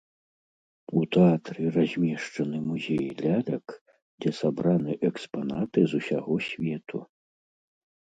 У тэатры размешчаны музей лялек, дзе сабраны экспанаты з усяго свету.